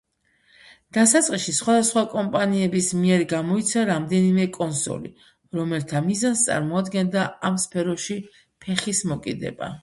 დასაწყისში სხვადასხვა კომპანიების მიერ გამოიცა რამდენიმე კონსოლი, რომელთა მიზანს წარმოადგენდა ამ სფეროში ფეხის მოკიდება.